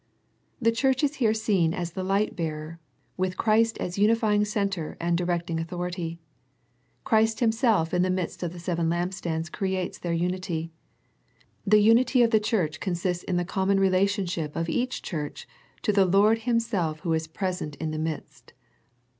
The Church is here seen as the Hght bearer, with Christ as unifying Centre and directing Authority. Christ Himself in the midst of the seven lamp , stands creates their unity. The unity of the j Church consists in the common relationship of : each church to the Lord Himself Who is present in the midst.